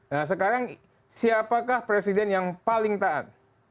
nah sekarang siapakah presiden yang paling taat